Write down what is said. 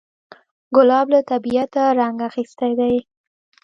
ګلاب له طبیعته رنګ اخیستی دی.